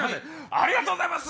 ありがとうございます。